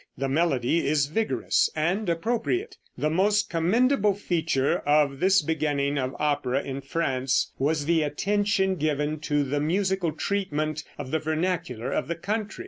The melody is vigorous and appropriate. The most commendable feature of this beginning of opera in France was the attention given to the musical treatment of the vernacular of the country.